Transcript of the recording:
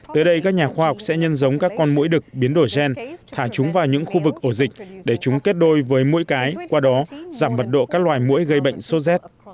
tới đây các nhà khoa học sẽ nhân giống các con mũi đực biến đổi gen thả chúng vào những khu vực ổ dịch để chúng kết đôi với mũi cái qua đó giảm mật độ các loài mũi gây bệnh sốt rét